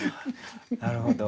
なるほど。